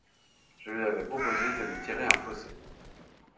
Je lui avais proposé de lui tirer un fossé.